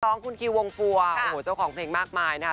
น้องคุณคิววงฟัวโอ้โหเจ้าของเพลงมากมายนะคะ